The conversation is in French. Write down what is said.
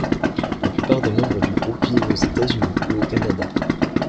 La plupart des membres du groupe vivent aux États-Unis ou au Canada.